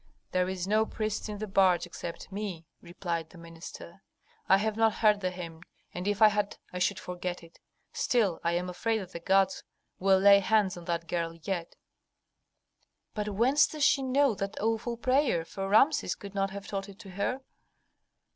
"There is no priest in the barge except me," replied the minister. "I have not heard the hymn, and if I had I should forget it. Still I am afraid that the gods will lay hands on that girl yet." "But whence does she know that awful prayer, for Rameses could not have taught it to her?"